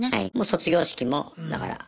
卒業式もだから。